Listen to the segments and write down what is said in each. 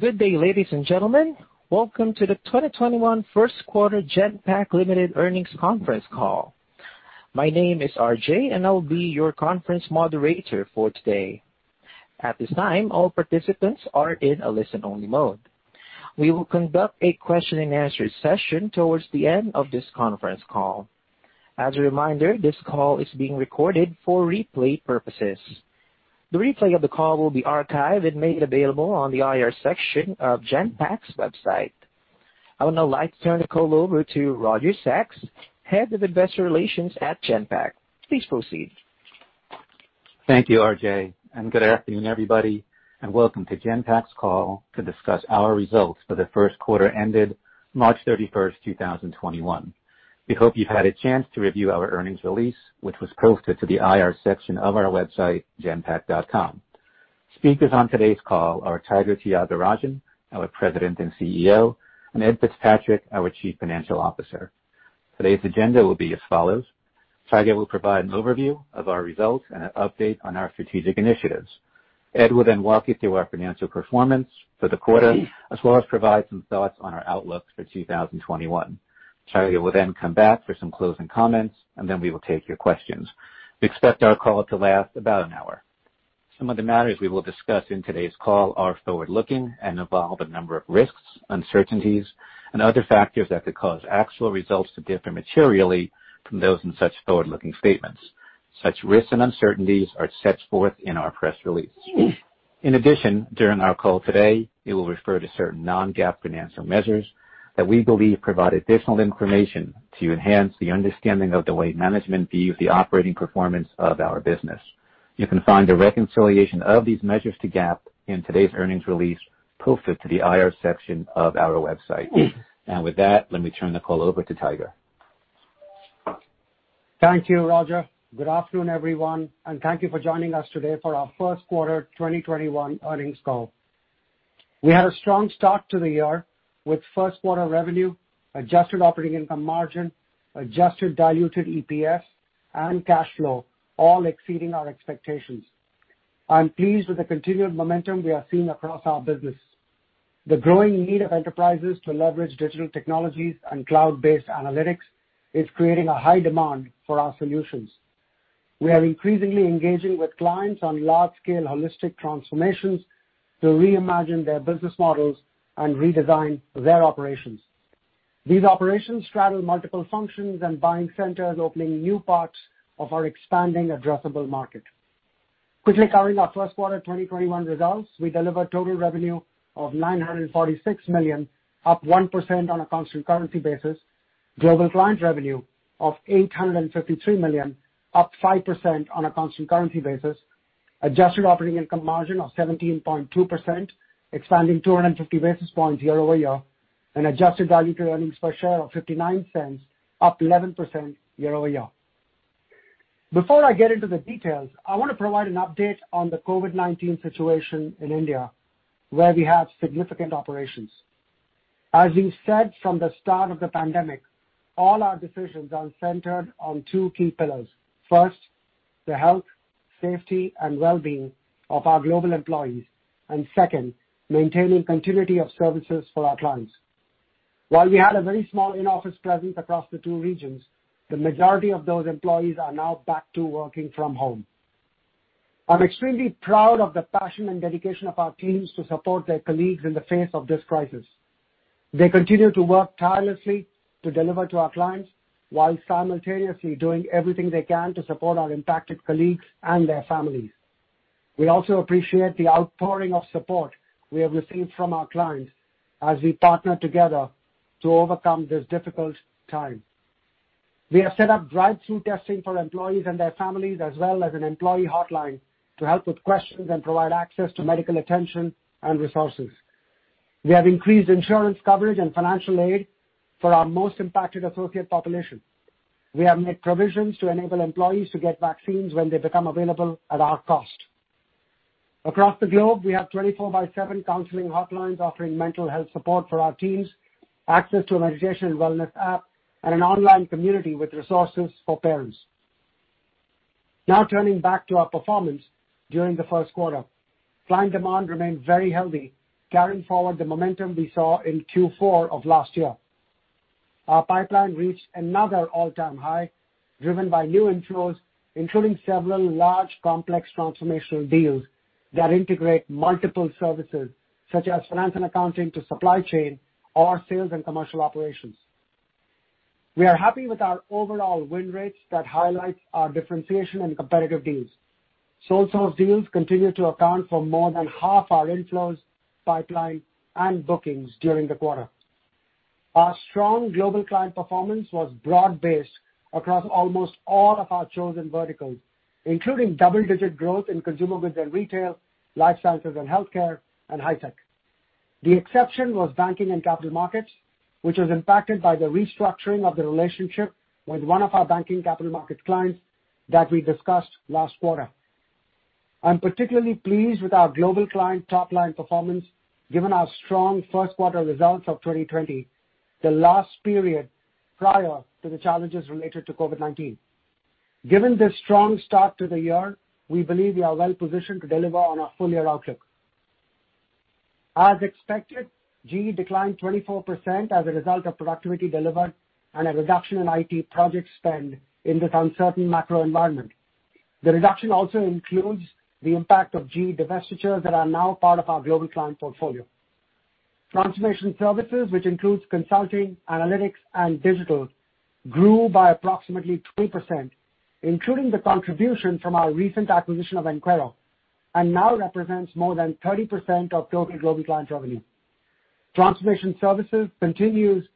Good day, ladies and gentlemen. Welcome to the 2021 first quarter Genpact Limited earnings conference call. My name is R.J., and I'll be your conference moderator for today. At this time, all participants are in a listen-only mode. We will conduct a question-and-answer session towards the end of this conference call. As a reminder, this call is being recorded for replay purposes. The replay of the call will be archived and made available on the IR section of Genpact's website. I would now like to turn the call over to Roger Sachs, head of investor relations at Genpact. Please proceed. Thank you, R.J. Good afternoon, everybody, and welcome to Genpact's call to discuss our results for the first quarter ended March 31, 2021. We hope you've had a chance to review our earnings release, which was posted to the IR section of our website, genpact.com. Speakers on today's call are Tiger Tyagarajan, our President and CEO, and Ed Fitzpatrick, our Chief Financial Officer. Today's agenda will be as follows. Tiger will provide an overview of our results and an update on our strategic initiatives. Ed will then walk you through our financial performance for the quarter, as well as provide some thoughts on our outlook for 2021. Tiger will then come back for some closing comments. Then we will take your questions. We expect our call to last about an hour. Some of the matters we will discuss in today's call are forward-looking and involve a number of risks, uncertainties, and other factors that could cause actual results to differ materially from those in such forward-looking statements. Such risks and uncertainties are set forth in our press release. During our call today, we will refer to certain non-GAAP financial measures that we believe provide additional information to enhance the understanding of the way management views the operating performance of our business. You can find a reconciliation of these measures to GAAP in today's earnings release posted to the IR section of our website. With that, let me turn the call over to Tiger. Thank you, Roger. Good afternoon, everyone, and thank you for joining us today for our first quarter 2021 earnings call. We had a strong start to the year, with first quarter revenue, adjusted operating income margin, adjusted diluted EPS, and cash flow all exceeding our expectations. I'm pleased with the continued momentum we are seeing across our business. The growing need of enterprises to leverage digital technologies and cloud-based analytics is creating a high demand for our solutions. We are increasingly engaging with clients on large-scale holistic transformations to reimagine their business models and redesign their operations. These operations straddle multiple functions and buying centers, opening new parts of our expanding addressable market. Quickly covering our first quarter 2021 results, we delivered total revenue of $946 million, up 1% on a constant currency basis. Global client revenue of $853 million, up 5% on a constant currency basis. Adjusted operating income margin of 17.2%, expanding 250 basis points year-over-year. Adjusted diluted earnings per share of $0.59, up 11% year-over-year. Before I get into the details, I want to provide an update on the COVID-19 situation in India, where we have significant operations. As we said from the start of the pandemic, all our decisions are centered on two key pillars. First, the health, safety, and well-being of our global employees. Second, maintaining continuity of services for our clients. While we had a very small in-office presence across the two regions, the majority of those employees are now back to working from home. I'm extremely proud of the passion and dedication of our teams to support their colleagues in the face of this crisis. They continue to work tirelessly to deliver to our clients while simultaneously doing everything they can to support our impacted colleagues and their families. We also appreciate the outpouring of support we have received from our clients as we partner together to overcome this difficult time. We have set up drive-thru testing for employees and their families, as well as an employee hotline to help with questions and provide access to medical attention and resources. We have increased insurance coverage and financial aid for our most impacted associate population. We have made provisions to enable employees to get vaccines when they become available at our cost. Across the globe, we have 24 by 7 counseling hotlines offering mental health support for our teams, access to a meditation and wellness app, and an online community with resources for parents. Turning back to our performance during the first quarter. Client demand remained very healthy, carrying forward the momentum we saw in Q4 of last year. Our pipeline reached another all-time high, driven by new inflows, including several large, complex transformational deals that integrate multiple services, such as finance and accounting to supply chain or sales and commercial operations. We are happy with our overall win rates that highlights our differentiation and competitive deals. sole-source deals continue to account for more than half our inflows, pipeline, and bookings during the quarter. Our strong global client performance was broad-based across almost all of our chosen verticals, including double-digit growth in consumer goods and retail, life sciences and healthcare, and high tech. The exception was banking and capital markets, which was impacted by the restructuring of the relationship with one of our banking capital market clients that we discussed last quarter. I'm particularly pleased with our global client top-line performance, given our strong first quarter results of 2020, the last period prior to the challenges related to COVID-19. Given this strong start to the year, we believe we are well positioned to deliver on our full-year outlook. As expected, GE declined 24% as a result of productivity delivered and a reduction in IT project spend in this uncertain macro environment. The reduction also includes the impact of GE divestitures that are now part of our global client portfolio. Transformation services, which includes consulting, analytics, and digital, grew by approximately 3%, including the contribution from our recent acquisition of Enquero, and now represents more than 30% of total global client revenue. Transformation services continues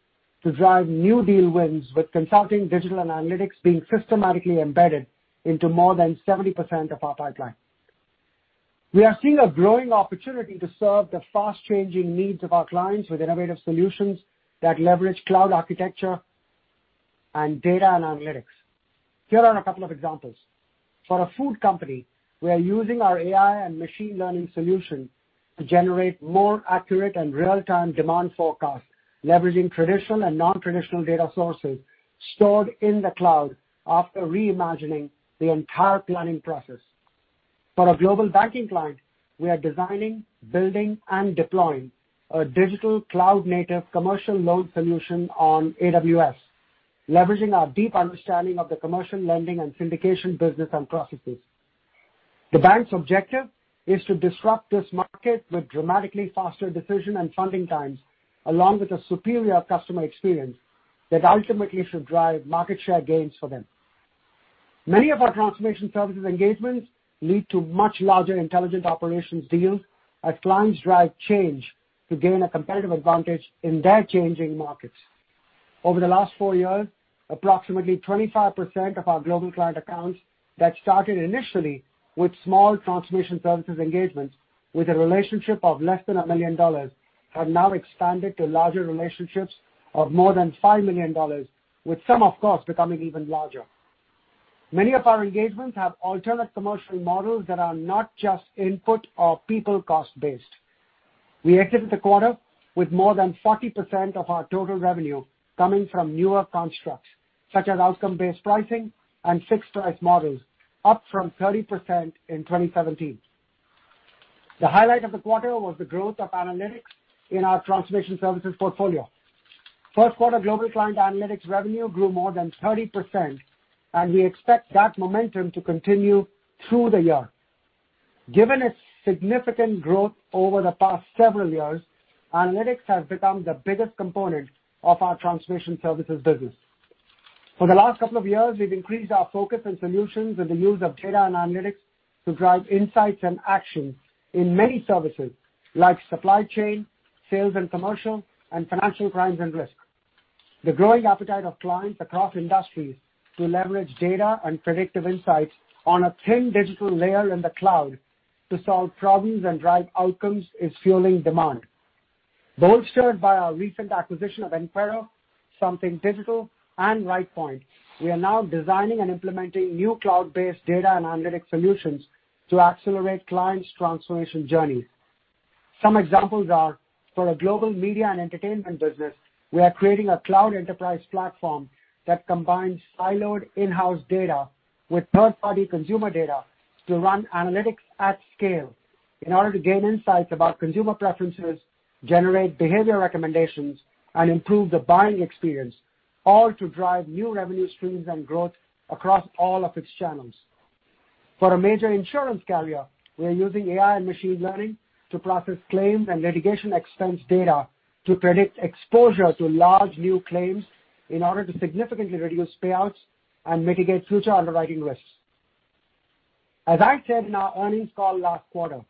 to drive new deal wins with consulting, digital, and analytics being systematically embedded into more than 70% of our pipeline. We are seeing a growing opportunity to serve the fast-changing needs of our clients with innovative solutions that leverage cloud architecture and data analytics. Here are a couple of examples. For a food company, we are using our AI and machine learning solution to generate more accurate and real-time demand forecasts, leveraging traditional and non-traditional data sources stored in the cloud after reimagining the entire planning process. For a global banking client, we are designing, building, and deploying a digital cloud-native commercial loan solution on AWS, leveraging our deep understanding of the commercial lending and syndication business and processes. The bank's objective is to disrupt this market with dramatically faster decision and funding times, along with a superior customer experience that ultimately should drive market share gains for them. Many of our transformation services engagements lead to much larger intelligent operations deals as clients drive change to gain a competitive advantage in their changing markets. Over the last four years, approximately 25% of our global client accounts that started initially with small transformation services engagements with a relationship of less than $1 million have now expanded to larger relationships of more than $5 million, with some, of course, becoming even larger. Many of our engagements have alternate commercial models that are not just input or people cost-based. We exited the quarter with more than 40% of our total revenue coming from newer constructs, such as outcome-based pricing and fixed-price models, up from 30% in 2017. The highlight of the quarter was the growth of analytics in our transformation services portfolio. First quarter global client analytics revenue grew more than 30%, and we expect that momentum to continue through the year. Given its significant growth over the past several years, analytics has become the biggest component of our transformation services business. For the last couple of years, we've increased our focus and solutions in the use of data and analytics to drive insights and action in many services, like supply chain, sales and commercial, and financial crimes and risk. The growing appetite of clients across industries to leverage data and predictive insights on a thin digital layer in the cloud to solve problems and drive outcomes is fueling demand. Bolstered by our recent acquisition of Enquero, Something Digital, and Rightpoint, we are now designing and implementing new cloud-based data and analytics solutions to accelerate clients' transformation journeys. Some examples are, for a global media and entertainment business, we are creating a cloud enterprise platform that combines siloed in-house data with third-party consumer data to run analytics at scale in order to gain insights about consumer preferences, generate behavior recommendations, and improve the buying experience, all to drive new revenue streams and growth across all of its channels. For a major insurance carrier, we are using AI and machine learning to process claims and litigation expense data to predict exposure to large new claims in order to significantly reduce payouts and mitigate future underwriting risks. As I said in our earnings call last quarter,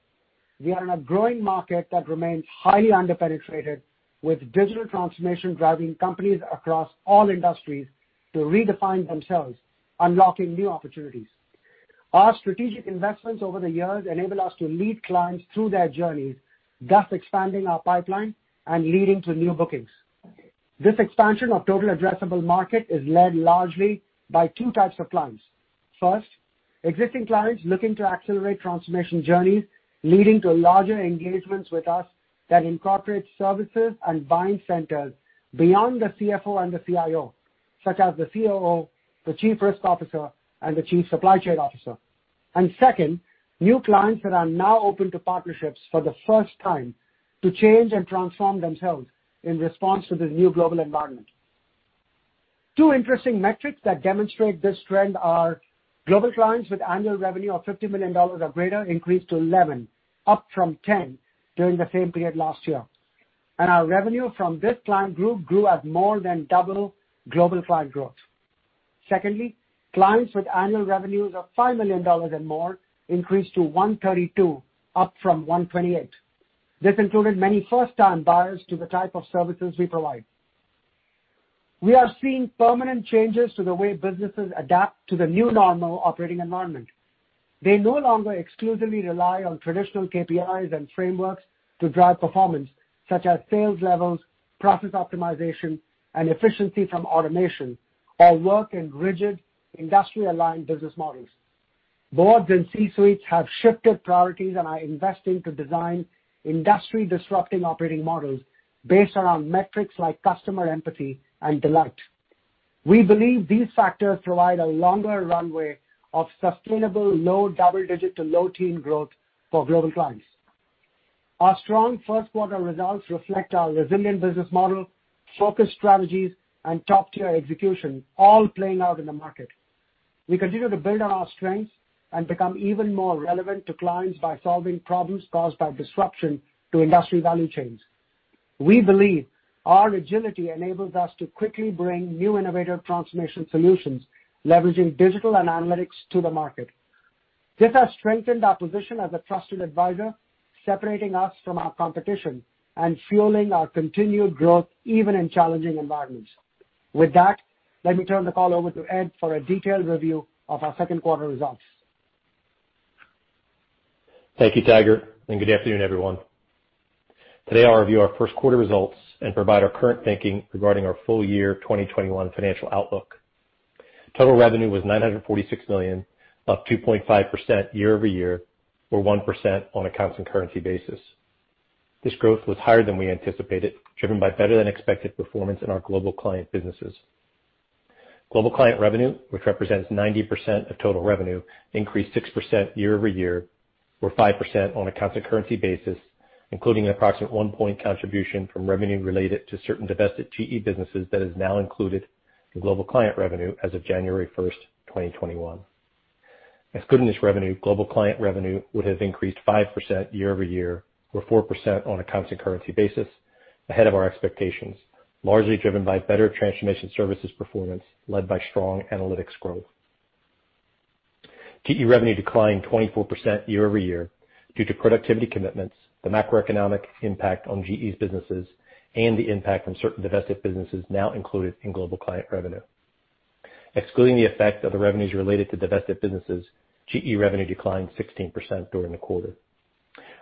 we are in a growing market that remains highly underpenetrated, with digital transformation driving companies across all industries to redefine themselves, unlocking new opportunities. Our strategic investments over the years enable us to lead clients through their journeys, thus expanding our pipeline and leading to new bookings. This expansion of total addressable market is led largely by two types of clients. First, existing clients looking to accelerate transformation journeys, leading to larger engagements with us that incorporate services and buying centers beyond the CFO and the CIO, such as the COO, the Chief Risk Officer, and the Chief Supply Chain Officer. Second, new clients that are now open to partnerships for the first time to change and transform themselves in response to the new global environment. Two interesting metrics that demonstrate this trend are global clients with annual revenue of $50 million or greater increased to 11, up from 10 during the same period last year. Our revenue from this client group grew at more than double global client growth. Secondly, clients with annual revenues of $5 million and more increased to 132, up from 128. This included many first-time buyers to the type of services we provide. We are seeing permanent changes to the way businesses adapt to the new normal operating environment. They no longer exclusively rely on traditional KPIs and frameworks to drive performance, such as sales levels, process optimization, and efficiency from automation, or work in rigid industry-aligned business models. Boards and C-suites have shifted priorities and are investing to design industry-disrupting operating models based around metrics like customer empathy and delight. We believe these factors provide a longer runway of sustainable low double digit to low teen growth for global clients. Our strong first quarter results reflect our resilient business model, focused strategies, and top-tier execution all playing out in the market. We continue to build on our strengths and become even more relevant to clients by solving problems caused by disruption to industry value chains. We believe our agility enables us to quickly bring new innovative transformation solutions, leveraging digital and analytics to the market. This has strengthened our position as a trusted advisor, separating us from our competition and fueling our continued growth even in challenging environments. With that, let me turn the call over to Ed for a detailed review of our second quarter results. Thank you, Tiger, and good afternoon, everyone. Today, I'll review our first quarter results and provide our current thinking regarding our full year 2021 financial outlook. Total revenue was $946 million, up 2.5% year-over-year, or 1% on a constant currency basis. This growth was higher than we anticipated, driven by better than expected performance in our global client businesses. Global client revenue, which represents 90% of total revenue, increased 6% year-over-year, or 5% on a constant currency basis, including an approximate one point contribution from revenue related to certain divested GE businesses that is now included in global client revenue as of January 1st, 2021. Excluding this revenue, global client revenue would have increased 5% year-over-year, or 4% on a constant currency basis, ahead of our expectations, largely driven by better transformation services performance, led by strong analytics growth. GE revenue declined 24% year-over-year due to productivity commitments, the macroeconomic impact on GE's businesses, and the impact from certain divested businesses now included in global client revenue. Excluding the effect of the revenues related to divested businesses, GE revenue declined 16% during the quarter.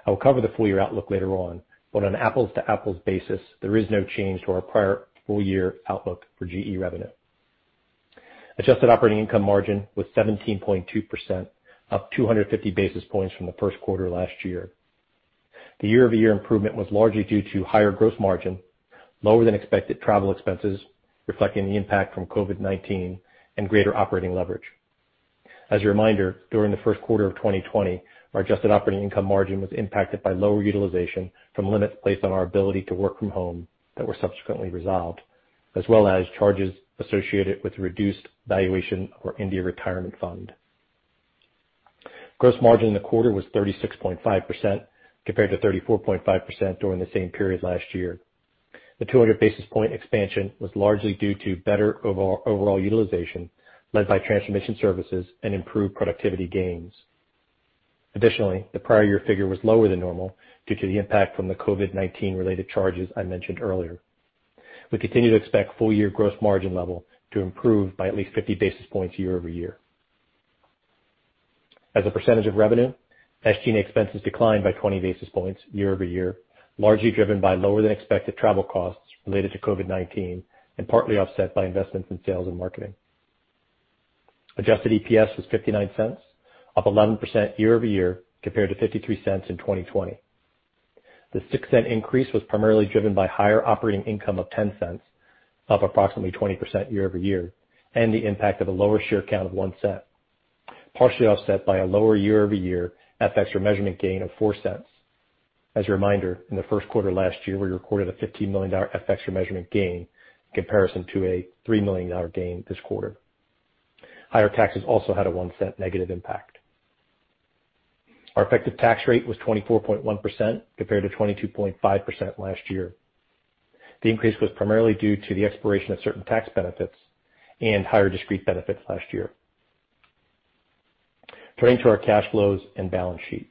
I will cover the full year outlook later on. On apples-to-apples basis, there is no change to our prior full year outlook for GE revenue. Adjusted operating income margin was 17.2%, up 250 basis points from the first quarter last year. The year-over-year improvement was largely due to higher gross margin, lower than expected travel expenses, reflecting the impact from COVID-19, and greater operating leverage. As a reminder, during the first quarter of 2020, our adjusted operating income margin was impacted by lower utilization from limits placed on our ability to work from home that were subsequently resolved, as well as charges associated with the reduced valuation of our India retirement fund. Gross margin in the quarter was 36.5%, compared to 34.5% during the same period last year. The 200 basis point expansion was largely due to better overall utilization led by transformation services and improved productivity gains. Additionally, the prior year figure was lower than normal due to the impact from the COVID-19 related charges I mentioned earlier. We continue to expect full year gross margin level to improve by at least 50 basis points year-over-year. As a percentage of revenue, SG&A expenses declined by 20 basis points year-over-year, largely driven by lower than expected travel costs related to COVID-19 and partly offset by investments in sales and marketing. Adjusted EPS was $0.59, up 11% year-over-year compared to $0.53 in 2020. The $0.06 increase was primarily driven by higher operating income of $0.10, up approximately 20% year-over-year, and the impact of a lower share count of $0.01, partially offset by a lower year-over-year FX remeasurement gain of $0.04. As a reminder, in the first quarter last year, we recorded a $15 million FX remeasurement gain in comparison to a $3 million gain this quarter. Higher taxes also had a $0.01 negative impact. Our effective tax rate was 24.1% compared to 22.5% last year. The increase was primarily due to the expiration of certain tax benefits and higher discrete benefits last year. Turning to our cash flows and balance sheet.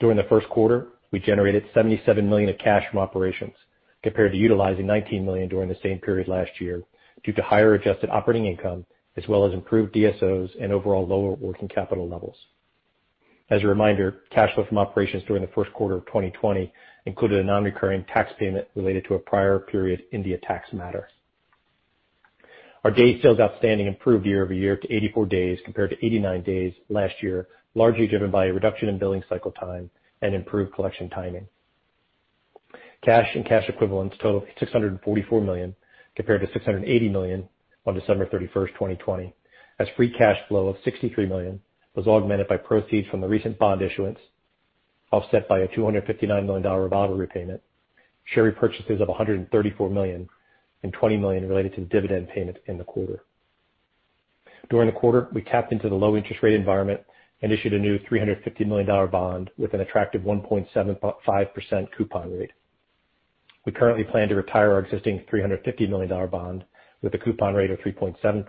During the first quarter, we generated $77 million of cash from operations compared to utilizing $19 million during the same period last year due to higher adjusted operating income as well as improved DSOs and overall lower working capital levels. As a reminder, cash flow from operations during the first quarter of 2020 included a non-recurring tax payment related to a prior period India tax matter. Our day sales outstanding improved year-over-year to 84 days compared to 89 days last year, largely driven by a reduction in billing cycle time and improved collection timing. Cash and cash equivalents totaled $644 million compared to $680 million on December 31st, 2020, as free cash flow of $63 million was augmented by proceeds from the recent bond issuance, offset by a $259 million revolver repayment, share repurchases of $134 million and $20 million related to dividend payments in the quarter. During the quarter, we tapped into the low interest rate environment and issued a new $350 million bond with an attractive 1.75% coupon rate. We currently plan to retire our existing $350 million bond with a coupon rate of 3.7%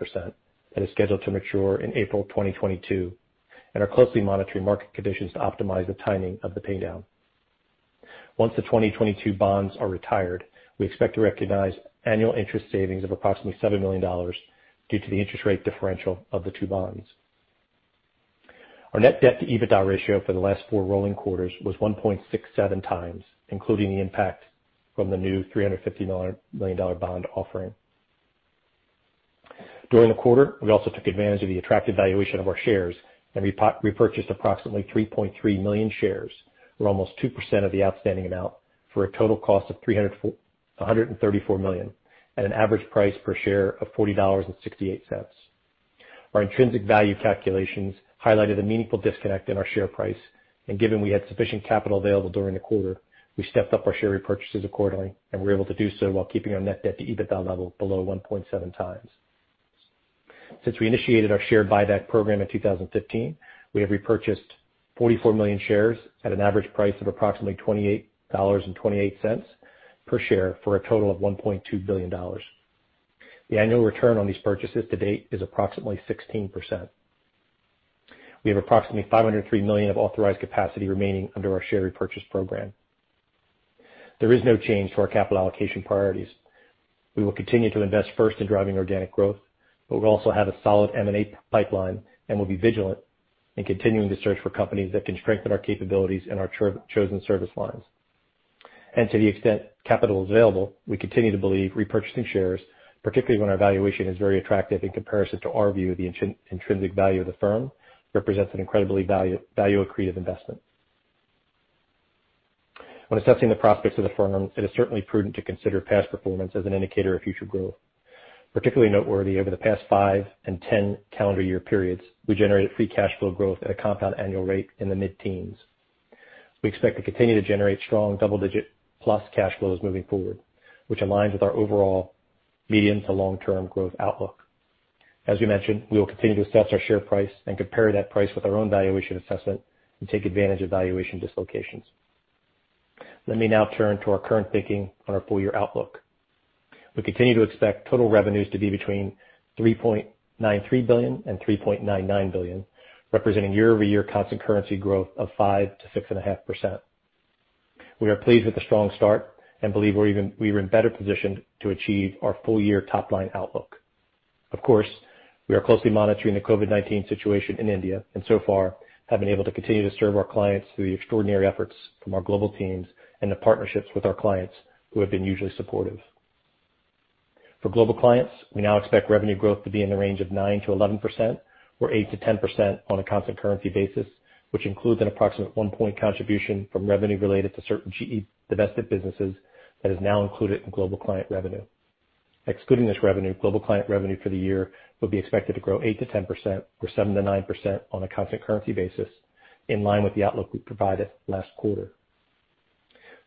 that is scheduled to mature in April 2022 and are closely monitoring market conditions to optimize the timing of the paydown. Once the 2022 bonds are retired, we expect to recognize annual interest savings of approximately $7 million due to the interest rate differential of the two bonds. Our net debt to EBITDA ratio for the last four rolling quarters was 1.67 times, including the impact from the new $350 million bond offering. During the quarter, we also took advantage of the attractive valuation of our shares and repurchased approximately 3.3 million shares, or almost 2% of the outstanding amount, for a total cost of $134 million, at an average price per share of $40.68. Given we had sufficient capital available during the quarter, we stepped up our share repurchases accordingly, and were able to do so while keeping our net debt to EBITDA level below 1.7 times. Since we initiated our share buyback program in 2015, we have repurchased 44 million shares at an average price of approximately $28.28 per share for a total of $1.2 billion. The annual return on these purchases to date is approximately 16%. We have approximately $503 million of authorized capacity remaining under our share repurchase program. There is no change to our capital allocation priorities. We will continue to invest first in driving organic growth, but we also have a solid M&A pipeline and will be vigilant in continuing to search for companies that can strengthen our capabilities in our chosen service lines. To the extent capital is available, we continue to believe repurchasing shares, particularly when our valuation is very attractive in comparison to our view of the intrinsic value of the firm, represents an incredibly value-accretive investment. When assessing the prospects of the firm, it is certainly prudent to consider past performance as an indicator of future growth. Particularly noteworthy, over the past five and 10 calendar year periods, we generated free cash flow growth at a compound annual rate in the mid-teens. We expect to continue to generate strong double-digit plus cash flows moving forward, which aligns with our overall medium to long-term growth outlook. As we mentioned, we will continue to assess our share price and compare that price with our own valuation assessment and take advantage of valuation dislocations. Let me now turn to our current thinking on our full-year outlook. We continue to expect total revenues to be between $3.93 billion and $3.99 billion, representing year-over-year constant currency growth of 5%-6.5%. We are pleased with the strong start and believe we are in better position to achieve our full-year top-line outlook. Of course, we are closely monitoring the COVID-19 situation in India, and so far have been able to continue to serve our clients through the extraordinary efforts from our global teams and the partnerships with our clients who have been unusually supportive. For global clients, we now expect revenue growth to be in the range of 9%-11%, or 8%-10% on a constant currency basis, which includes an approximate 1 point contribution from revenue related to certain GE divested businesses that is now included in global client revenue. Excluding this revenue, global client revenue for the year would be expected to grow 8%-10%, or 7%-9% on a constant currency basis, in line with the outlook we provided last quarter.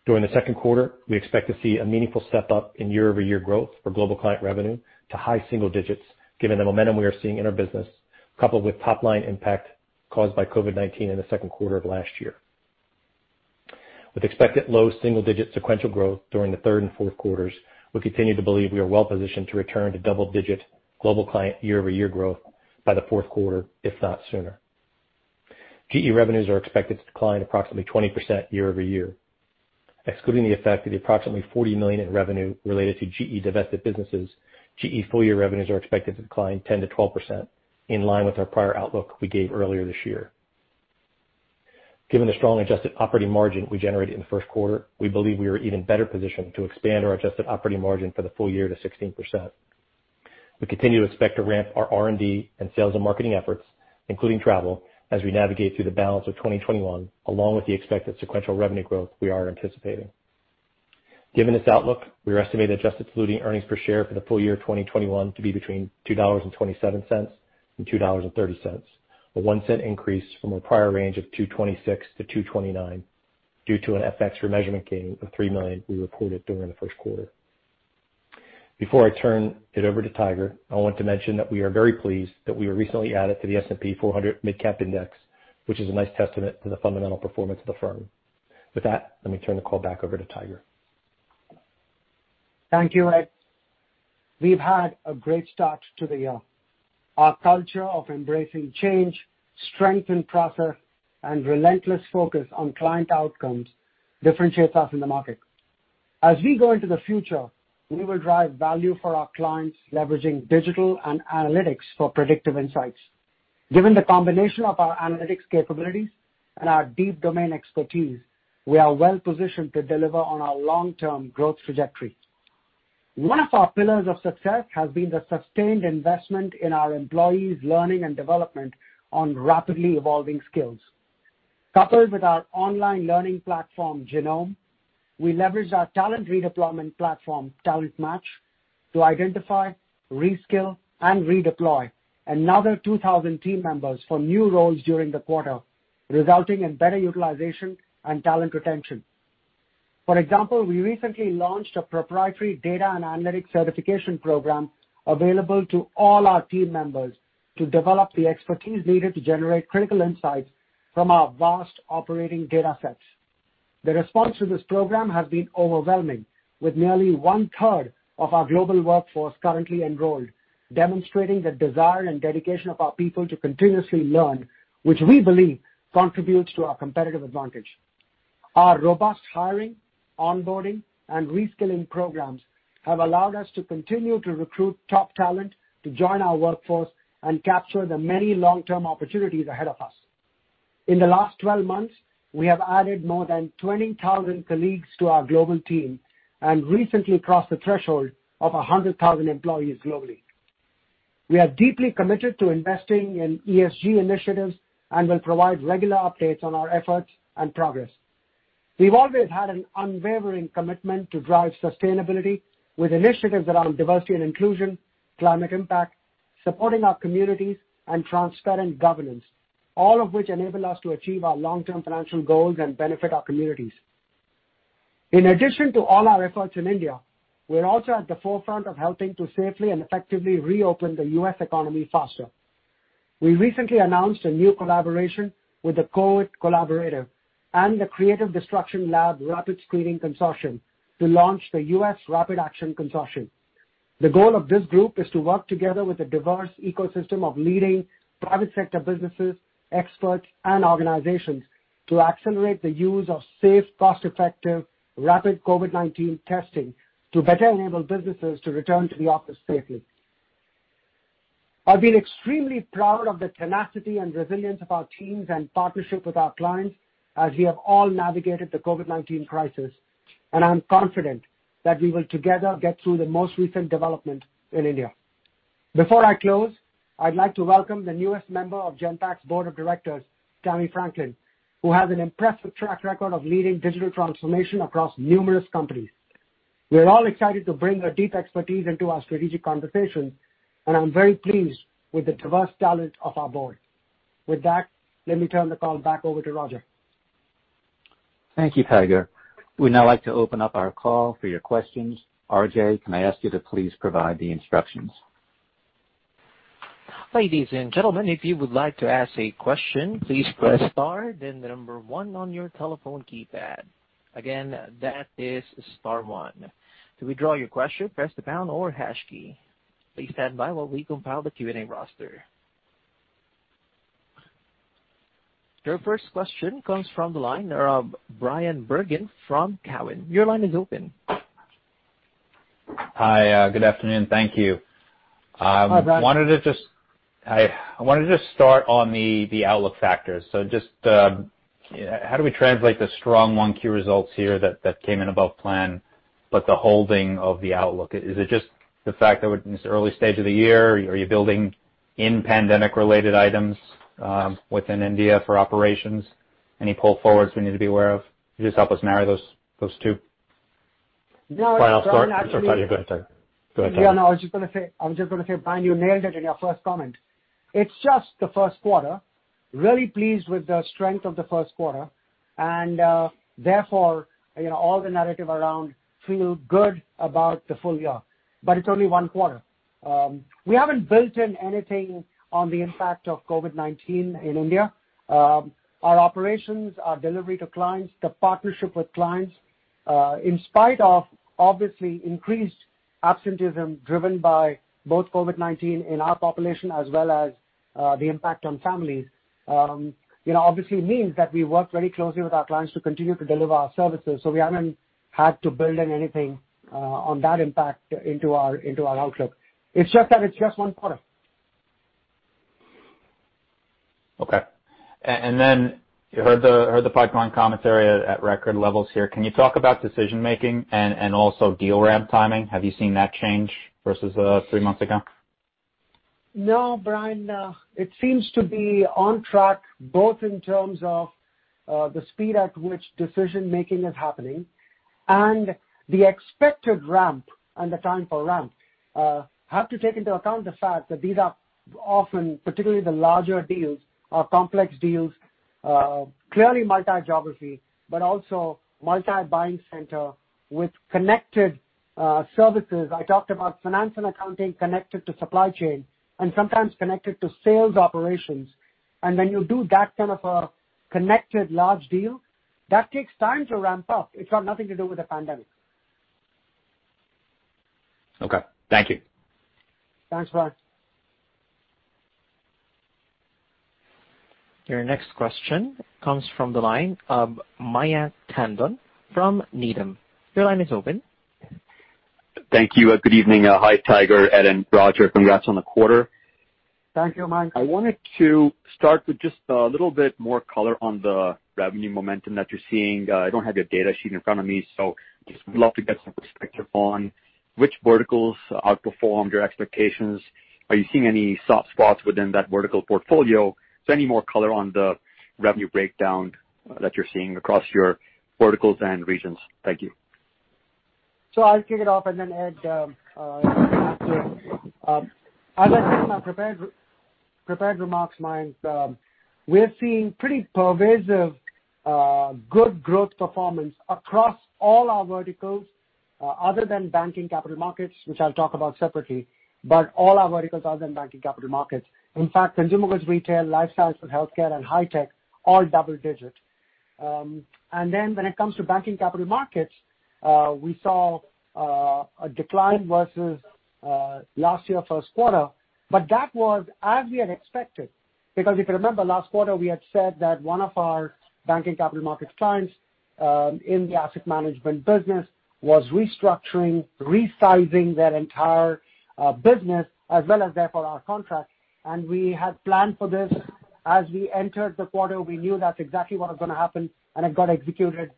During the second quarter, we expect to see a meaningful step-up in year-over-year growth for global client revenue to high single digits given the momentum we are seeing in our business, coupled with top-line impact caused by COVID-19 in the second quarter of last year. With expected low single-digit sequential growth during the third and fourth quarters, we continue to believe we are well-positioned to return to double-digit global client year-over-year growth by the fourth quarter, if not sooner. GE revenues are expected to decline approximately 20% year-over-year. Excluding the effect of the approximately $40 million in revenue related to GE divested businesses, GE full-year revenues are expected to decline 10%-12%, in line with our prior outlook we gave earlier this year. Given the strong adjusted operating margin we generated in the first quarter, we believe we are even better positioned to expand our adjusted operating margin for the full year to 16%. We continue to expect to ramp our R&D and sales and marketing efforts, including travel, as we navigate through the balance of 2021, along with the expected sequential revenue growth we are anticipating. Given this outlook, we are estimating adjusted diluted earnings per share for the full year 2021 to be between $2.27 and $2.30, a $0.01 increase from our prior range of $2.26-$2.29, due to an FX remeasurement gain of $3 million we reported during the first quarter. Before I turn it over to Tiger, I want to mention that we are very pleased that we were recently added to the S&P MidCap 400 Index, which is a nice testament to the fundamental performance of the firm. With that, let me turn the call back over to Tiger. Thank you, Ed. We've had a great start to the year. Our culture of embracing change, strength in process, and relentless focus on client outcomes differentiates us in the market. As we go into the future, we will drive value for our clients, leveraging digital and analytics for predictive insights. Given the combination of our analytics capabilities and our deep domain expertise, we are well-positioned to deliver on our long-term growth trajectory. One of our pillars of success has been the sustained investment in our employees' learning and development on rapidly evolving skills. Coupled with our online learning platform, Genome, we leveraged our talent redeployment platform, TalentMatch, to identify, reskill, and redeploy another 2,000 team members for new roles during the quarter, resulting in better utilization and talent retention. For example, we recently launched a Proprietary Data and Analytics Certification Program available to all our team members to develop the expertise needed to generate critical insights from our vast operating data sets. The response to this program has been overwhelming, with nearly one-third of our global workforce currently enrolled, demonstrating the desire and dedication of our people to continuously learn, which we believe contributes to our competitive advantage. Our robust hiring, onboarding, and reskilling programs have allowed us to continue to recruit top talent to join our workforce and capture the many long-term opportunities ahead of us. In the last 12 months, we have added more than 20,000 colleagues to our global team and recently crossed the threshold of 100,000 employees globally. We are deeply committed to investing in ESG initiatives and will provide regular updates on our efforts and progress. We've always had an unwavering commitment to drive sustainability with initiatives around diversity and inclusion, climate impact, supporting our communities, and transparent governance, all of which enable us to achieve our long-term financial goals and benefit our communities. In addition to all our efforts in India, we're also at the forefront of helping to safely and effectively reopen the U.S. economy faster. We recently announced a new collaboration with the COVID Collaborative and the Creative Destruction Lab Rapid Screening Consortium to launch the U.S. Rapid Action Consortium. The goal of this group is to work together with a diverse ecosystem of leading private sector businesses, experts, and organizations to accelerate the use of safe, cost-effective, rapid COVID-19 testing to better enable businesses to return to the office safely. I've been extremely proud of the tenacity and resilience of our teams and partnership with our clients as we have all navigated the COVID-19 crisis, and I'm confident that we will together get through the most recent development in India. Before I close, I'd like to welcome the newest member of Genpact's Board of Directors, Tamara Franklin, who has an impressive track record of leading digital transformation across numerous companies. We are all excited to bring her deep expertise into our strategic conversations, and I'm very pleased with the diverse talent of our board. With that, let me turn the call back over to Roger. Thank you, Tiger. We'd now like to open up our call for your questions. R.J., can I ask you to please provide the instructions? Ladies and gentlemen, if you would like to ask a question, please press star then the number one on your telephone keypad. Again, that is star one. To withdraw your question, press the pound or hash key. Please standby while we compile the Q&A roster. Your first question comes from the line of Bryan Bergin from Cowen. Your line is open. Hi. Good afternoon. Thank you. Hi, Bryan. I wanted to just start on the outlook factors. Just, how do we translate the strong 1Q results here that came in above plan, but the holding of the outlook? Is it just the fact that we're in this early stage of the year? Are you building in pandemic-related items, within India for operations? Any pull forwards we need to be aware of? Could you just help us marry those two? No. I'm sorry, Tiger. Go ahead, Tiger. Yeah, no, I was just gonna say, Bryan, you nailed it in your first comment. It's just the first quarter. Really pleased with the strength of the first quarter and, therefore, all the narrative around feel good about the full year, but it's only one quarter. We haven't built in anything on the impact of COVID-19 in India. Our operations, our delivery to clients, the partnership with clients, in spite of obviously increased absenteeism driven by both COVID-19 in our population as well as the impact on families, obviously means that we work very closely with our clients to continue to deliver our services. We haven't had to build in anything, on that impact into our outlook. It's just that it's just one quarter. Okay. You heard the pipeline commentary at record levels here. Can you talk about decision-making and also deal ramp timing? Have you seen that change versus three months ago? No, Bryan. No. It seems to be on track both in terms of the speed at which decision-making is happening and the expected ramp and the time for ramp. Have to take into account the fact that these are often, particularly the larger deals or complex deals, clearly multi-geography, but also multi-buying center with connected services. I talked about finance and accounting connected to supply chain and sometimes connected to sales operations. When you do that kind of a connected large deal, that takes time to ramp up. It's got nothing to do with the pandemic. Okay. Thank you. Thanks, Bryan. Your next question comes from the line of Mayank Tandon from Needham. Your line is open. Thank you. Good evening. Hi, Tiger, Ed, and Roger. Congrats on the quarter. Thank you, Mayank. I wanted to start with just a little bit more color on the revenue momentum that you're seeing. I don't have your data sheet in front of me, so just would love to get some perspective on which verticals outperformed your expectations. Are you seeing any soft spots within that vertical portfolio? Just any more color on the revenue breakdown that you're seeing across your verticals and regions. Thank you. I'll kick it off, and then Ed can come after. As I said in my prepared remarks, Mayank, we're seeing pretty pervasive, good growth performance across all our verticals, other than banking capital markets, which I'll talk about separately. All our verticals other than banking capital markets. In fact, consumer goods, retail, life sciences and healthcare, and high tech, all double-digit. When it comes to banking capital markets, we saw a decline versus last year first quarter. That was as we had expected, because if you remember last quarter, we had said that one of our banking capital markets clients in the asset management business was restructuring, resizing their entire business as well as therefore our contract. We had planned for this. As we entered the quarter, we knew that's exactly what was going to happen, and it got executed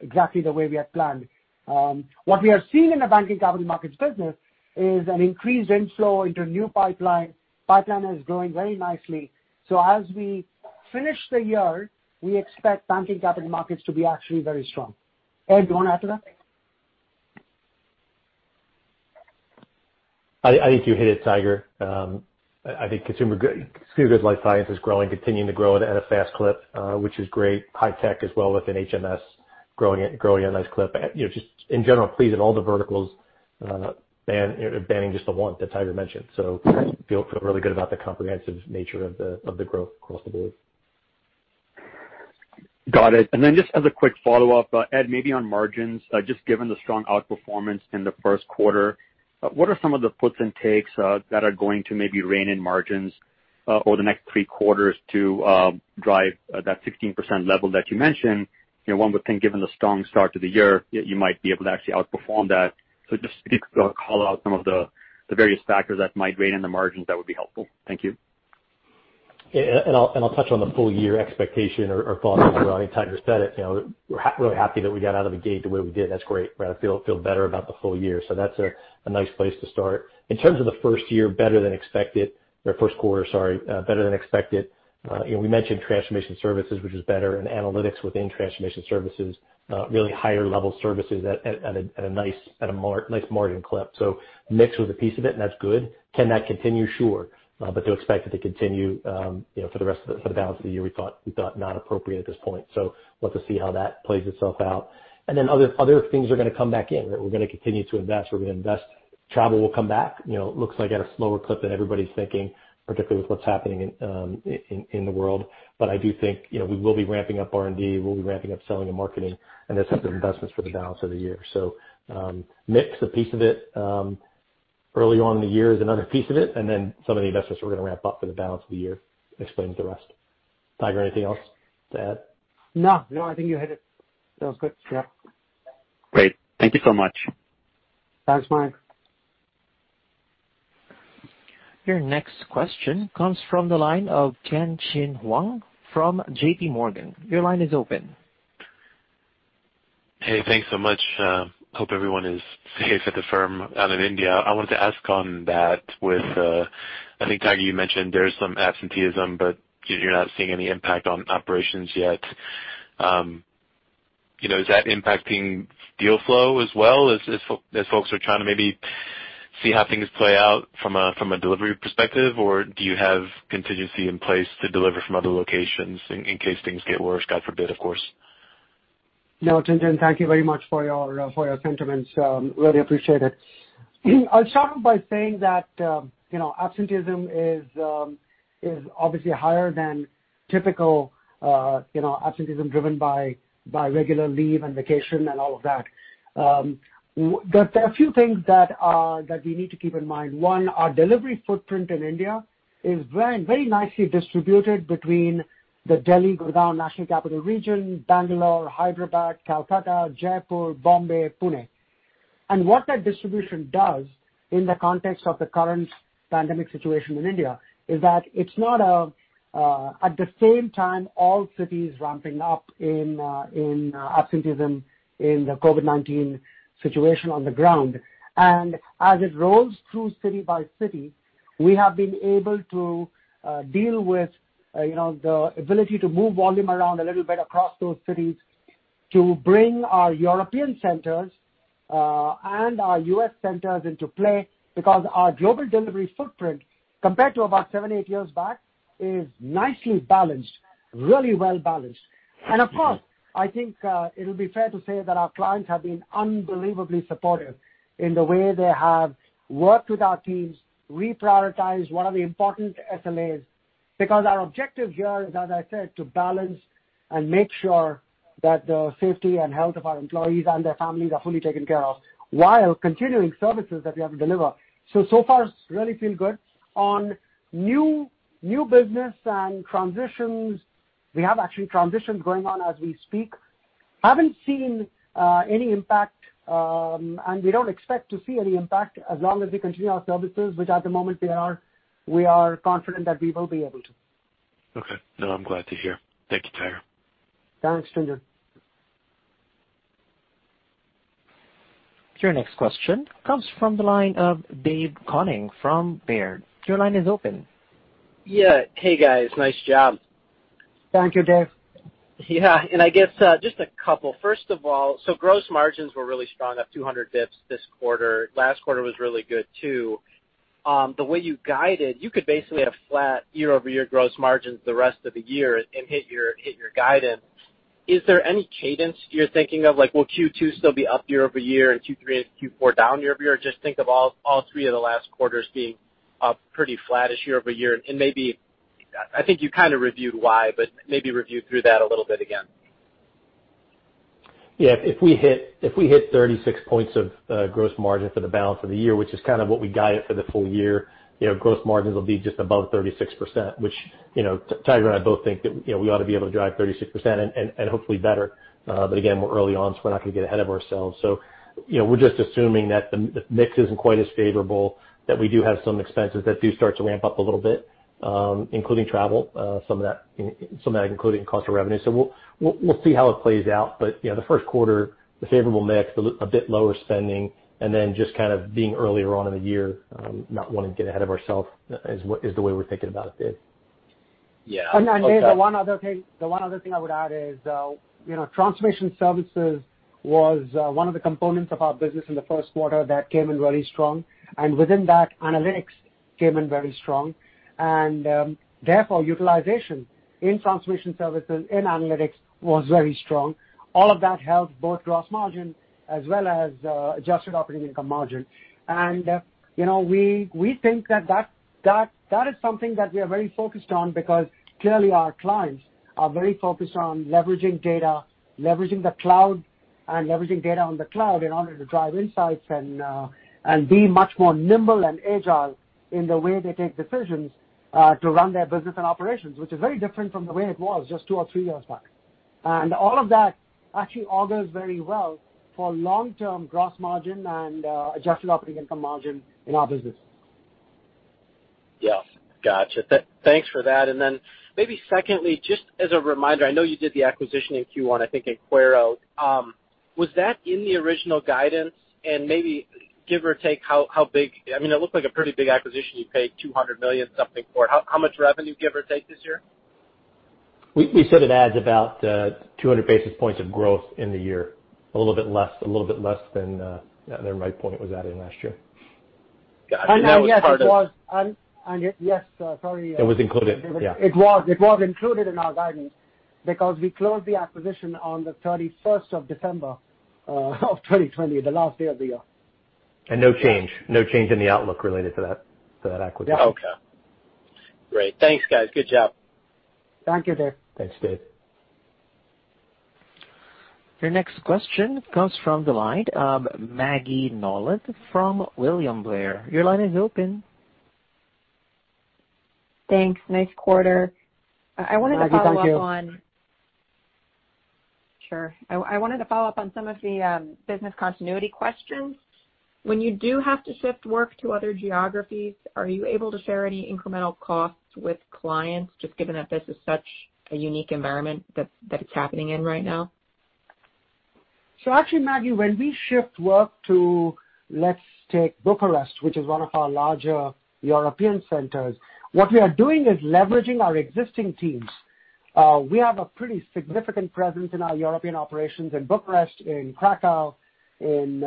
exactly the way we had planned. What we are seeing in the banking capital markets business is an increased inflow into new pipeline. Pipeline is growing very nicely. As we finish the year, we expect banking capital markets to be actually very strong. Ed, do you want to add to that? I think you hit it, Tiger. I think Consumer Goods Life Sciences is continuing to grow at a fast clip, which is great. high tech as well within HMS, growing at a nice clip. Just in general, pleased with all the verticals, barring just the one that Tiger mentioned. Feel really good about the comprehensive nature of the growth across the board. Got it. Just as a quick follow-up, Ed, maybe on margins, just given the strong outperformance in the first quarter, what are some of the puts and takes that are going to maybe rein in margins over the next three quarters to drive that 16% level that you mentioned? One would think given the strong start to the year, you might be able to actually outperform that. Just if you could call out some of the various factors that might rein in the margins, that would be helpful. Thank you. I'll touch on the full year expectation or thoughts surrounding. Tiger said it. We're really happy that we got out of the gate the way we did. That's great, right? Feel better about the full year. That's a nice place to start. In terms of the first year, better than expected. Or first quarter, sorry, better than expected. We mentioned transformation services, which is better, and analytics within transformation services, really higher level services at a nice margin clip. Mix was a piece of it, and that's good. Can that continue? Sure. To expect it to continue for the balance of the year, we thought not appropriate at this point. We'll have to see how that plays itself out. Other things are going to come back in. We're going to continue to invest. We're going to invest. Travel will come back. Looks like at a slower clip than everybody's thinking, particularly with what's happening in the world. I do think we will be ramping up R&D, we'll be ramping up selling and marketing, and there's other investments for the balance of the year. Mix a piece of it. Early on in the year is another piece of it. Some of the investments we're going to ramp up for the balance of the year explains the rest. Tiger, anything else to add? No, I think you hit it. That was good. Yeah. Great. Thank you so much. Thanks, Mayank. Your next question comes from the line of Tien-Tsin Huang from JPMorgan. Hey, thanks so much. Hope everyone is safe at the firm out in India. I wanted to ask on that with, I think, Tiger, you mentioned there's some absenteeism, but you're not seeing any impact on operations yet. Is that impacting deal flow as well as folks are trying to maybe see how things play out from a delivery perspective? Or do you have contingency in place to deliver from other locations in case things get worse, God forbid, of course. No, Tien-Tsin, thank you very much for your sentiments. Really appreciate it. I'll start by saying that absenteeism is obviously higher than typical absenteeism driven by regular leave and vacation and all of that. There are a few things that we need to keep in mind. One, our delivery footprint in India is very nicely distributed between the Delhi, Gurgaon National Capital Region, Bangalore, Hyderabad, Calcutta, Jaipur, Bombay, Pune. What that distribution does in the context of the current pandemic situation in India is that it's not at the same time, all cities ramping up in absenteeism in the COVID-19 situation on the ground. As it rolls through city by city, we have been able to deal with the ability to move volume around a little bit across those cities to bring our European centers, and our U.S. centers into play. Our global delivery footprint, compared to about seven, eight years back, is nicely balanced, really well balanced. Of course, I think, it'll be fair to say that our clients have been unbelievably supportive in the way they have worked with our teams, reprioritized what are the important SLAs. Our objective here is, as I said, to balance and make sure that the safety and health of our employees and their families are fully taken care of while continuing services that we have to deliver. So far it's really feel good. On new business and transitions, we have actually transitions going on as we speak. Haven't seen any impact, and we don't expect to see any impact as long as we continue our services, which at the moment we are confident that we will be able to. Okay. No, I'm glad to hear. Thank you, Tiger. Thanks, Tien-Tsin. Your next question comes from the line of Dave Koning from Baird. Your line is open. Yeah. Hey, guys. Nice job. Thank you, Dave. Yeah. I guess, just a couple. First of all, gross margins were really strong, up 200 basis points this quarter. Last quarter was really good, too. The way you guided, you could basically have flat year-over-year gross margins the rest of the year and hit your guidance. Is there any cadence you're thinking of? Will Q2 still be up year-over-year and Q3 and Q4 down year-over-year? Or just think of all three of the last quarters being up pretty flattish year-over-year? I think you kind of reviewed why, but maybe review through that a little bit again. If we hit 36 points of gross margin for the balance of the year, which is what we guided for the full year, gross margins will be just above 36%, which Tiger and I both think that we ought to be able to drive 36% and hopefully better. Again, we're early on, so we're not going to get ahead of ourselves. We're just assuming that the mix isn't quite as favorable, that we do have some expenses that do start to ramp up a little bit, including travel, some of that including cost of revenue. We'll see how it plays out. The first quarter, the favorable mix, a bit lower spending, and then just being earlier on in the year, not wanting to get ahead of ourself is the way we're thinking about it, Dave. Yeah. Dave, the one other thing I would add is, transformation services was one of the components of our business in the first quarter that came in very strong. Within that, analytics came in very strong. Therefore, utilization in transformation services, in analytics was very strong. All of that helped both gross margin as well as adjusted operating income margin. We think that is something that we are very focused on because clearly our clients are very focused on leveraging data, leveraging the cloud, and leveraging data on the cloud in order to drive insights and be much more nimble and agile in the way they take decisions, to run their business and operations, which is very different from the way it was just two or three years back. All of that actually augurs very well for long-term gross margin and adjusted operating income margin in our business. Yeah. Got you. Thanks for that. Maybe secondly, just as a reminder, I know you did the acquisition in Q1, I think Enquero. Was that in the original guidance? It looked like a pretty big acquisition. You paid $200 million, something for it. How much revenue, give or take, this year? We said it adds about 200 basis points of growth in the year. A little bit less than Rightpoint was adding last year. Got you. Yes, sorry. It was included. Yeah. It was included in our guidance because we closed the acquisition on the 31st of December of 2020, the last day of the year. No change in the outlook related to that acquisition. Okay. Great. Thanks, guys. Good job. Thank you, Dave. Thanks, Dave. Your next question comes from the line of Maggie Nolan from William Blair. Your line is open. Thanks. Nice quarter. Maggie, thank you. Sure. I wanted to follow up on some of the business continuity questions. When you do have to shift work to other geographies, are you able to share any incremental costs with clients, just given that this is such a unique environment that it's happening in right now? Actually, Maggie, when we shift work to, let's take Bucharest, which is one of our larger European centers, what we are doing is leveraging our existing teams. We have a pretty significant presence in our European operations in Bucharest, in Kraków, in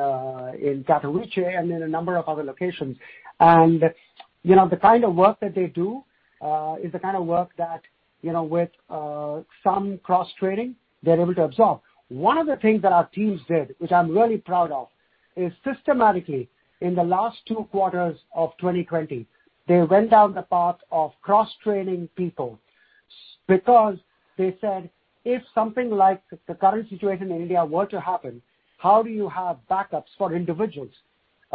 Katowice, and in a number of other locations. The kind of work that they do, is the kind of work that with some cross-training, they are able to absorb. One of the things that our teams did, which I am really proud of, is systematically in the last two quarters of 2020, they went down the path of cross-training people because they said, if something like the current situation in India were to happen, how do you have backups for individuals?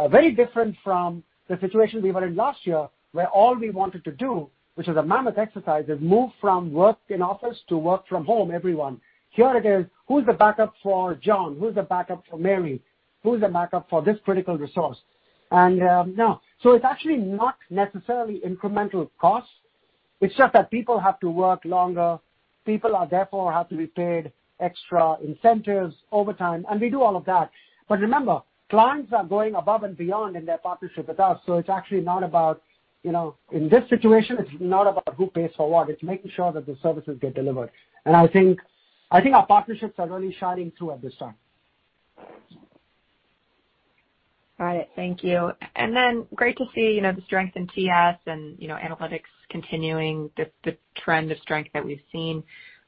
Very different from the situation we were in last year, where all we wanted to do, which is a mammoth exercise, is move from work in office to work from home, everyone. Here it is, who's the backup for John? Who's the backup for Mary? Who's the backup for this critical resource? Now, so it's actually not necessarily incremental costs. It's just that people have to work longer. People are therefore have to be paid extra incentives, overtime, and we do all of that. Remember, clients are going above and beyond in their partnership with us. It's actually not about, in this situation, it's not about who pays for what. It's making sure that the services get delivered. I think our partnerships are really shining through at this time. Got it. Thank you. Great to see the strength in TS and analytics continuing the trend of strength that we've seen.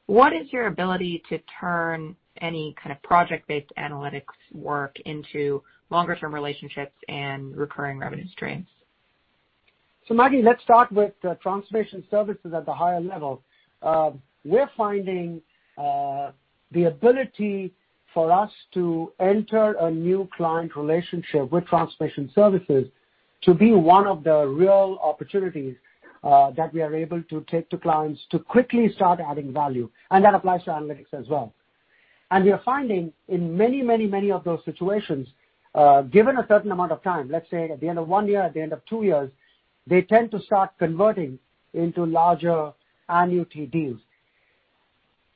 What is your ability to turn any kind of project-based analytics work into longer-term relationships and recurring revenue streams? Maggie, let's start with transformation services at the higher level. We're finding the ability for us to enter a new client relationship with transformation services to be one of the real opportunities, that we are able to take to clients to quickly start adding value. And that applies to analytics as well. And we are finding in many, many, many of those situations, given a certain amount of time, let's say at the end of one year, at the end of two years, they tend to start converting into larger annuity deals.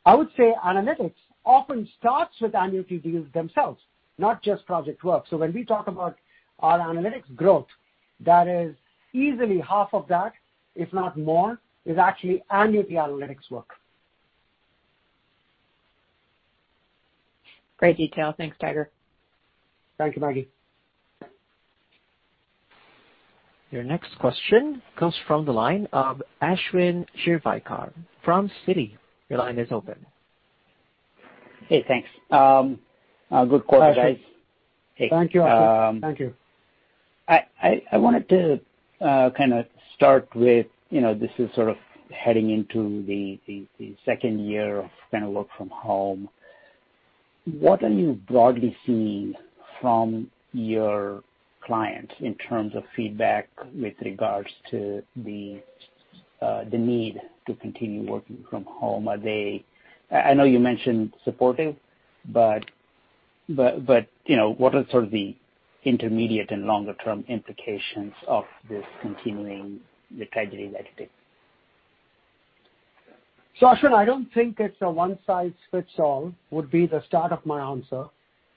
I would say analytics often starts with annuity deals themselves, not just project work. So when we talk about our analytics growth, that is easily half of that, if not more, is actually annuity analytics work. Great detail. Thanks, Tiger. Thank you, Maggie. Your next question comes from the line of Ashwin Shirvaikar from Citi. Your line is open. Hey, thanks. Good quarter, guys. Ashwin. Thank you, Ashwin. Thank you. I wanted to start with, this is heading into the second year of work from home. What are you broadly seeing from your clients in terms of feedback with regards to the need to continue working from home? I know you mentioned supportive, but what are the intermediate and longer-term implications of this continuing the category like it is? Ashwin, I don't think it's a one-size-fits-all, would be the start of my answer.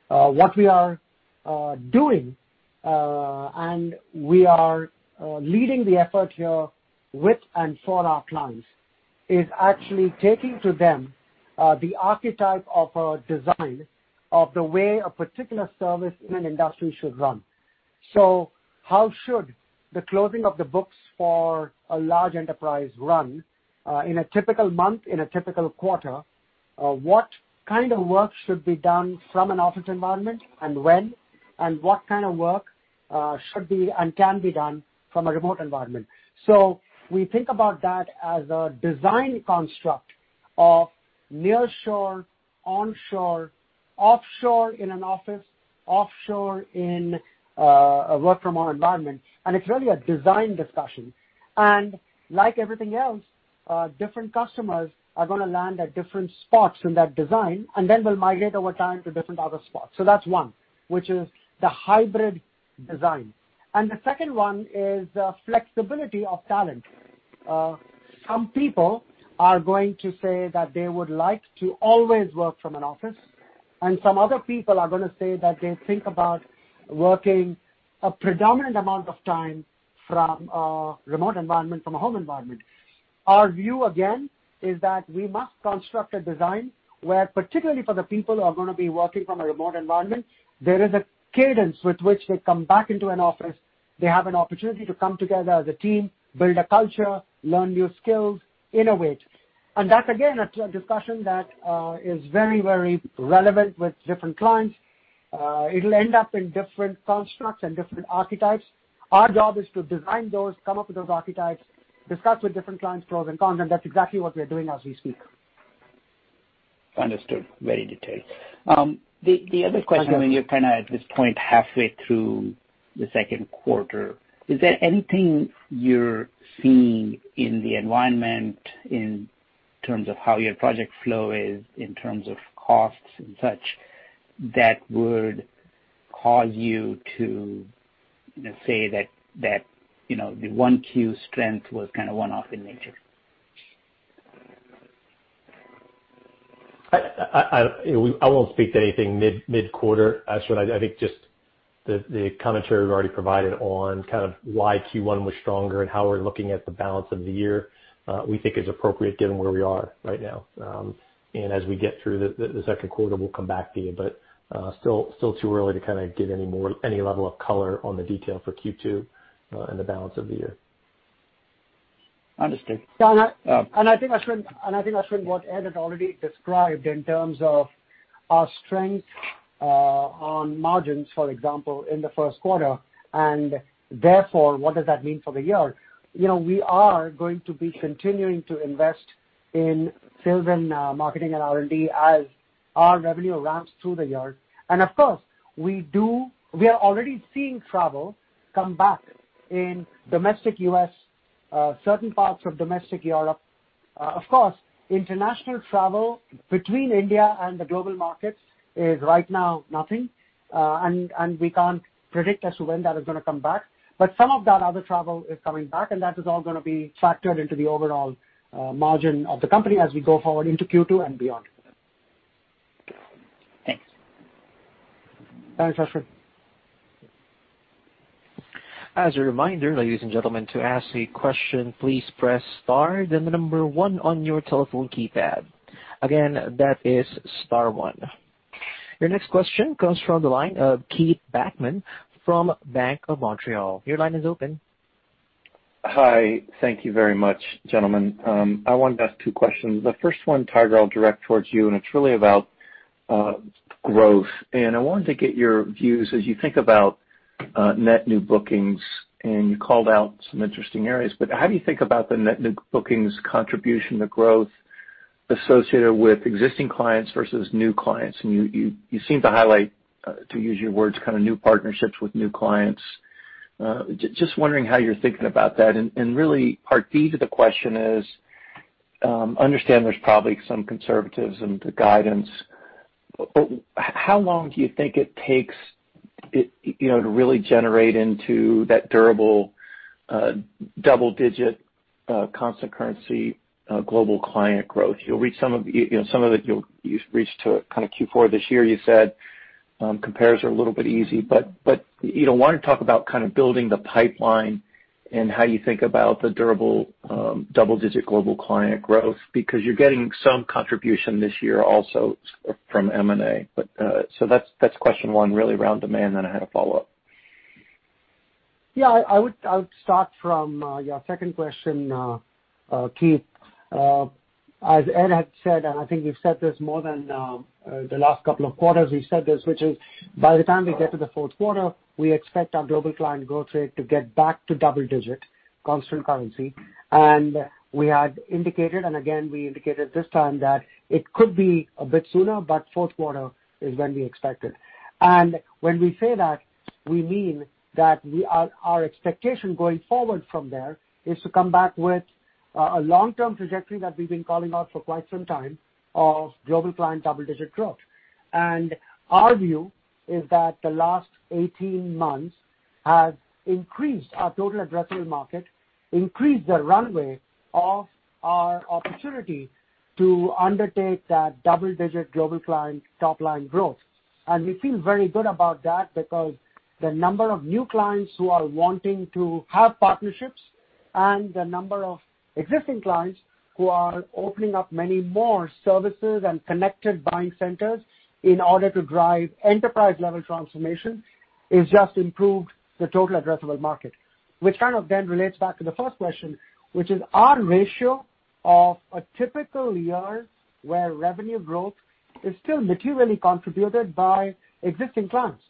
What we are doing, and we are leading the effort here with and for our clients, is actually taking to them, the archetype of a design of the way a particular service in an industry should run. How should the closing of the books for a large enterprise run, in a typical month, in a typical quarter? What kind of work should be done from an office environment and when? What kind of work should be and can be done from a remote environment? We think about that as a design construct of near-shore, on-shore, offshore in an office, offshore in a work from home environment, and it's really a design discussion. Like everything else, different customers are going to land at different spots in that design, and then we'll migrate over time to different other spots. That's one, which is the hybrid design. The second one is flexibility of talent. Some people are going to say that they would like to always work from an office, and some other people are going to say that they think about working a predominant amount of time from a remote environment, from a home environment. Our view, again, is that we must construct a design where, particularly for the people who are going to be working from a remote environment, there is a cadence with which they come back into an office. They have an opportunity to come together as a team, build a culture, learn new skills, innovate. That's again, a discussion that is very relevant with different clients. It'll end up in different constructs and different archetypes. Our job is to design those, come up with those archetypes, discuss with different clients pros and cons. That's exactly what we're doing as we speak. Understood. Very detailed. The other question, you're at this point, halfway through the second quarter. Is there anything you're seeing in the environment in terms of how your project flow is in terms of costs and such, that would cause you to say that the 1Q strength was one-off in nature? I won't speak to anything mid-quarter, Ashwin. I think just the commentary we've already provided on why Q1 was stronger and how we're looking at the balance of the year, we think is appropriate given where we are right now. As we get through the second quarter, we'll come back to you. Still too early to give any level of color on the detail for Q2, and the balance of the year. Understood. I think, Ashwin, what Ed had already described in terms of our strength on margins, for example, in the first quarter, and therefore, what does that mean for the year? We are going to be continuing to invest in sales and marketing and R&D as our revenue ramps through the year. Of course, we are already seeing travel come back in domestic U.S., certain parts of domestic Europe. Of course, international travel between India and the global markets is right now nothing. We can't predict as to when that is going to come back. Some of that other travel is coming back, and that is all going to be factored into the overall margin of the company as we go forward into Q2 and beyond. Thanks. Thanks, Ashwin. As a reminder, ladies and gentlemen, to ask a question, please press star, then the number one on your telephone keypad. Again, that is star one. Your next question comes from the line of Keith Bachman from Bank of Montreal. Your line is open. Hi. Thank you very much, gentlemen. I wanted to ask two questions. The first one, Tiger, I'll direct towards you, and it's really about growth. I wanted to get your views as you think about net new bookings, and you called out some interesting areas, but how do you think about the net new bookings contribution, the growth associated with existing clients versus new clients? You seem to highlight, to use your words, new partnerships with new clients. Just wondering how you're thinking about that. Really part b to the question is, understand there's probably some conservatism to guidance, but how long do you think it takes to really generate into that durable, double-digit, constant currency, global client growth? Some of it you'll reach to Q4 this year, you said. Compares are a little bit easy. Want to talk about building the pipeline and how you think about the durable, double-digit global client growth. You're getting some contribution this year also from M&A. That's question one, really around demand, I had a follow-up. Yeah, I would start from your second question, Keith. As Ed had said, and I think we've said this more than the last couple of quarters, we've said this, which is by the time we get to the fourth quarter, we expect our global client growth rate to get back to double-digit constant currency. We had indicated, and again, we indicated this time that it could be a bit sooner, but fourth quarter is when we expect it. When we say that, we mean that our expectation going forward from there is to come back with a long-term trajectory that we've been calling out for quite some time of global client double-digit growth. Our view is that the last 18 months has increased our total addressable market, increased the runway of our opportunity to undertake that double-digit global client top-line growth. We feel very good about that because the number of new clients who are wanting to have partnerships and the number of existing clients who are opening up many more services and connected buying centers in order to drive enterprise-level transformation, has just improved the total addressable market. Kind of relates back to the first question, which is our ratio of a typical year where revenue growth is still materially contributed by existing clients.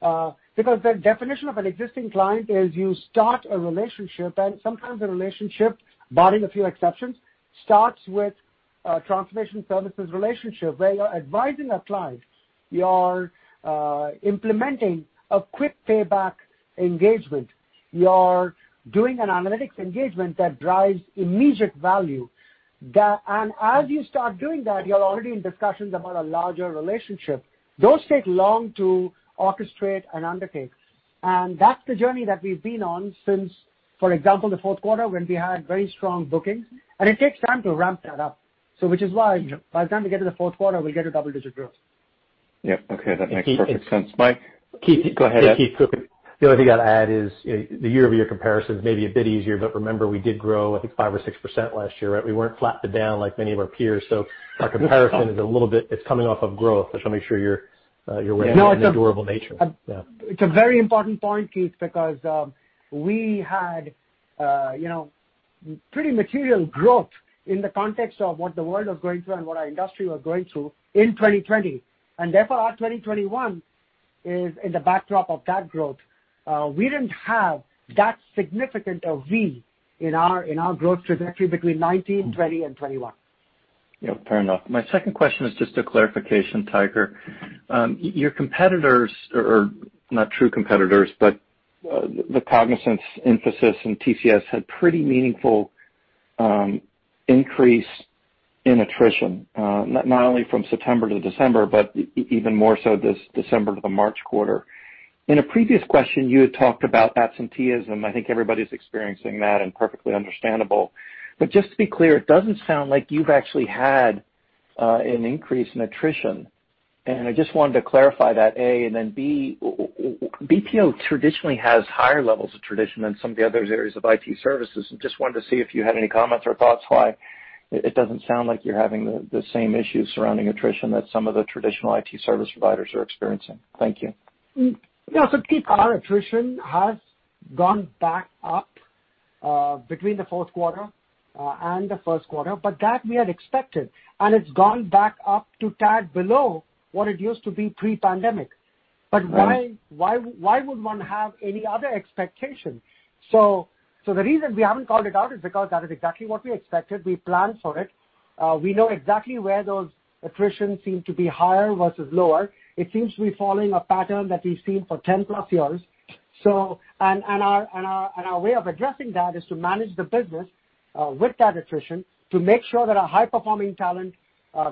The definition of an existing client is you start a relationship, and sometimes the relationship, barring a few exceptions, starts with a transformation services relationship where you're advising a client, you are implementing a quick payback engagement. You are doing an analytics engagement that drives immediate value. As you start doing that, you're already in discussions about a larger relationship. Those take long to orchestrate and undertake. That's the journey that we've been on since, for example, the fourth quarter when we had very strong bookings. It takes time to ramp that up. Which is why by the time we get to the fourth quarter, we'll get a double-digit growth. Yep. Okay. That makes perfect sense. Mike, go ahead. The only thing I'd add is the year-over-year comparisons may be a bit easier, but remember, we did grow, I think 5% or 6% last year, right? We weren't flat to down like many of our peers. Our comparison is a little bit, it's coming off of growth. Just want to make sure you're aware of the durable nature. Yeah. It's a very important point, Keith, because, we had pretty material growth in the context of what the world was going through and what our industry was going through in 2020, and therefore our 2021 is in the backdrop of that growth. We didn't have that significant a V in our growth trajectory between 2019, 2020, and 2021. Yeah, fair enough. My second question is just a clarification, Tiger. Your competitors, or not true competitors, but the Cognizant, Infosys, and TCS had pretty meaningful increase in attrition. Not only from September to December, but even more so this December to the March quarter. In a previous question, you had talked about absenteeism. I think everybody's experiencing that and perfectly understandable. Just to be clear, it doesn't sound like you've actually had an increase in attrition, and I just wanted to clarify that, A, and then B, BPO traditionally has higher levels of attrition than some of the other areas of IT services, and just wanted to see if you had any comments or thoughts why it doesn't sound like you're having the same issues surrounding attrition that some of the traditional IT service providers are experiencing. Thank you. Yeah. Keith, our attrition has gone back up between the fourth quarter and the first quarter, but that we had expected and it's gone back up to tad below what it used to be pre-pandemic. Why would one have any other expectation? The reason we haven't called it out is because that is exactly what we expected. We planned for it. We know exactly where those attrition seem to be higher versus lower. It seems to be following a pattern that we've seen for 10+ years. Our way of addressing that is to manage the business with that attrition, to make sure that our high-performing talent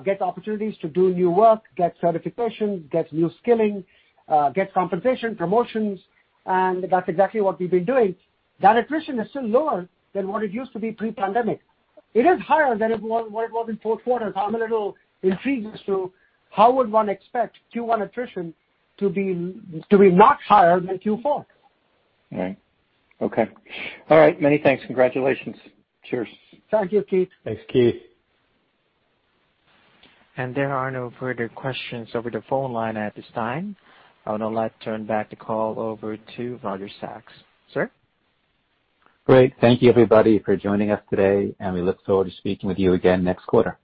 gets opportunities to do new work, gets certification, gets new skilling, gets compensation, promotions and that's exactly what we've been doing. That attrition is still lower than what it used to be pre-pandemic. It is higher than what it was in fourth quarter, so I'm a little intrigued as to how would one expect Q1 attrition to be not higher than Q4. Right. Okay. All right. Many thanks. Congratulations. Cheers. Thank you, Keith. Thanks, Keith. There are no further questions over the phone line at this time. I would now like to turn back the call over to Roger Sachs. Sir? Great. Thank you everybody for joining us today, and we look forward to speaking with you again next quarter.